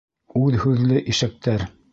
Үҙ һүҙле ишәктәр!..